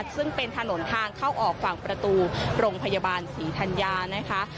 ซึ่งเป็นถนนทางเข้าออกฝั่งประตูโรงพยาบาลศรีธัญญานะคะ